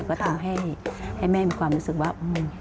ก็ทำให้แม่มีความรู้สึกว่า